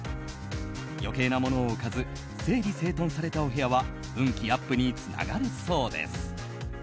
余計なものを置かず整理整頓されたお部屋は運気アップにつながるそうです。